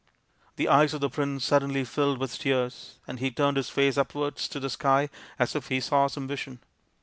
The eyes of the prince suddenly filled with tears, and he turned his face upwards to the sky as if he saw some vision.